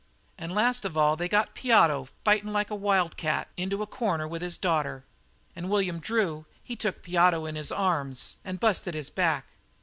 And last of all they got Piotto, fightin' like an old wildcat, into a corner with his daughter; and William Drew, he took Piotto into his arms and busted his back.